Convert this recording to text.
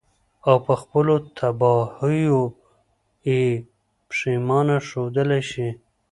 او په خپلو تباهيو ئې پښېمانه ښودلے شي.